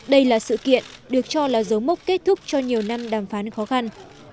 đây là sự kiện được cho là dấu mốc kết thúc cho nhiều năm đàm phán khó khăn